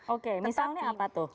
oke misalnya apa tuh